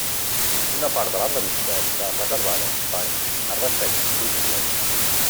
Una part de la revista està reservada per a ressenyes crítiques.